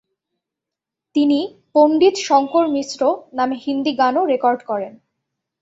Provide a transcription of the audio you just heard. তিনি ‘পণ্ডিত শঙ্কর মিশ্র’ নামে হিন্দি গানও রেকর্ড করেন।